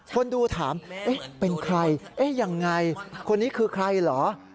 คนดูถามเป็นใครยังไงคนนี้คือใครเหรอ